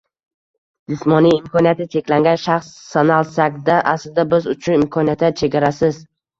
Jismoniy imkoniyati cheklangan shaxs sanalsak-da, aslida, biz uchun imkoniyatlar chegarasiz.